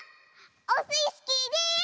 オスイスキーです！